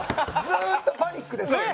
ずーっとパニックですよね。